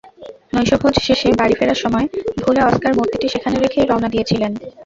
নৈশভোজ শেষে বাড়ি ফেরার সময় ভুলে অস্কার মূর্তিটি সেখানে রেখেই রওনা দিয়েছিলেন।